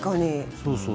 そうそう。